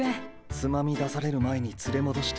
つまみ出される前に連れ戻してくるか。